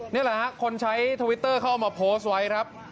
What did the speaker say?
นี่แหละฮะคนใช้ทวิตเตอร์เขาเอามาโพสต์ไว้ครับ